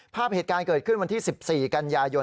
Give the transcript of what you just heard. ภาพเหตุการณ์เกิดขึ้นวันที่๑๔กันยายน